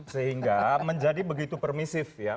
sehingga menjadi begitu permisif ya